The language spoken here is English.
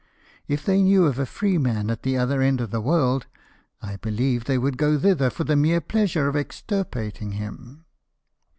If they knew of a free man at the other end of the world, I believe they would go thither for the mere pleasure of exthpating him."